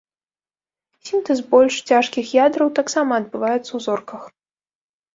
Сінтэз больш цяжкіх ядраў таксама адбываецца ў зорках.